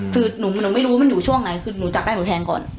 คือหนูไม่รู้มันอยู่ช่วงไหนคือหนูจับได้หนูแทงก่อน